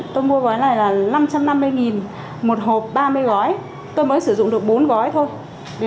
tôi mua gói này là năm trăm năm mươi một hộp ba mươi gói tôi mới sử dụng được bốn gói thôi